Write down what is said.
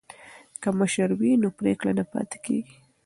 که مشر وي نو پریکړه نه پاتې کیږي.